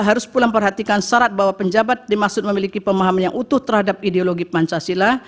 harus pulang perhatikan syarat bahwa penjabat dimaksud memiliki pemahaman yang utuh terhadap ideologi pancasila